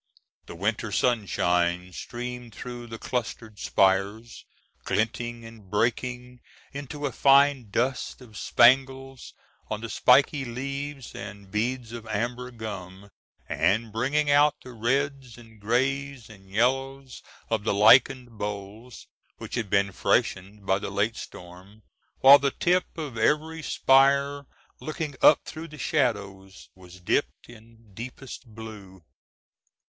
The winter sunshine streamed through the clustered spires, glinting and breaking into a fine dust of spangles on the spiky leaves and beads of amber gum, and bringing out the reds and grays and yellows of the lichened boles which had been freshened by the late storm; while the tip of every spire looking up through the shadows was dipped in deepest blue.